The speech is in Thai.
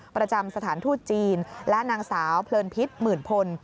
ประจำสถานทูตจีนและนางสาวเพลินพิษหมื่นพล